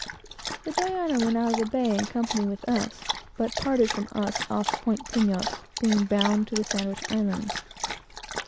The Diana went out of the bay in company with us, but parted from us off Point Pinos, being bound to the Sandwich Islands.